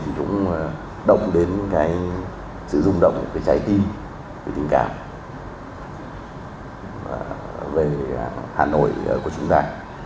thì cũng động đến cái sự rung động cái trái tim cái tình cảm về hà nội của chúng ta